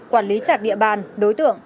quản lý trạc địa bàn đối tượng